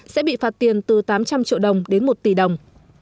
sẽ bị phạt tiền từ tám trăm linh triệu đồng đến một tỷ đồng